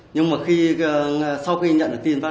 nhưng mà sau khi nhận tin